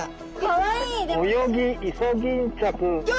かわいい！